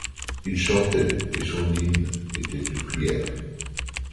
Il chantait, et son hymne était une prière